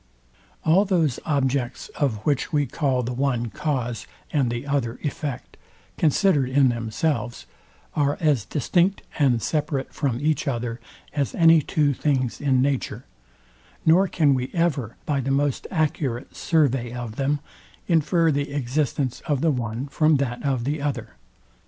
All those objects, of which we call the one cause and the other effect, considered in themselves, are as distinct and separate from each other, as any two things in nature, nor can we ever, by the most accurate survey of them, infer the existence of the one from that of the other.